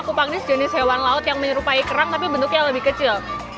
kupang ini sejenis hewan laut yang menyerupai kerang tapi bentuknya lebih kecil